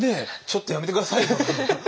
ちょっとやめて下さいよ。